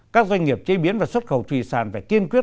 các doanh nghiệp chế biến và xuất khẩu thủy sản phải kiên quyết